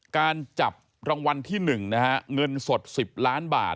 การจับรางวัลที่๑นะฮะเงินสด๑๐ล้านบาท